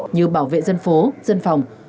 như bảo vệ dân phố dân phòng